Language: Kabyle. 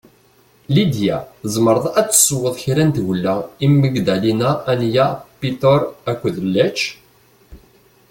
Lidia, tezemreḍ ad tessewweḍ kra n tgella i Magdalena, Ania, Piotr akked Lech?